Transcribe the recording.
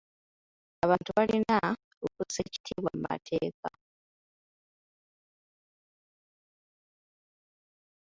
Abantu balina okussa ekitiibwwa mu mateeka.